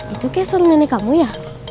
itu kesuruh nenek kamu ya